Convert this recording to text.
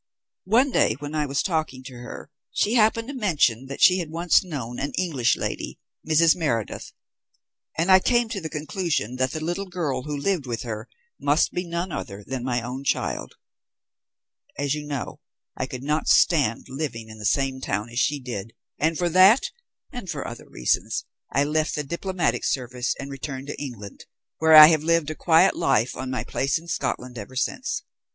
One day when I was talking to her she happened to mention that she had once known an English lady, Mrs. Meredith, and I came to the conclusion that the little girl who lived with her must be none other than my own child. As you know, I could not stand living in the same town as she did, and for that, and for other reasons, I left the Diplomatic Service and returned to England, where I have lived a quiet life on my place in Scotland ever since.